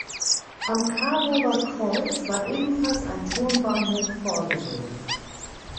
Am Karower Kreuz war ebenfalls ein Turmbahnhof vorgesehen.